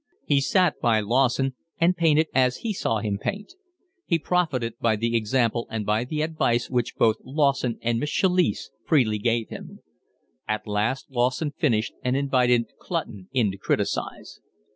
He sat by Lawson and painted as he saw him paint. He profited by the example and by the advice which both Lawson and Miss Chalice freely gave him. At last Lawson finished and invited Clutton in to criticise.